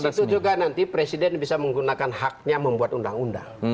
itu juga nanti presiden bisa menggunakan haknya membuat undang undang